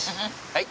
はい。